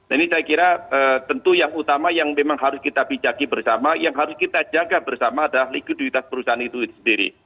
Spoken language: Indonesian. ini saya kira tentu yang utama yang memang harus kita bijaki bersama yang harus kita jaga bersama adalah likuiditas perusahaan itu sendiri